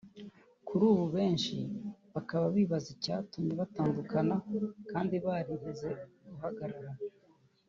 kuri ubu benshi bakaba bibaza icyatumye batandukana kandi barigeze guhararana